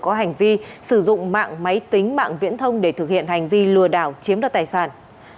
có hành vi sử dụng mạng máy tính mạng viễn thông để thực hiện hành vi lừa đảo chiếm đoạt tài sản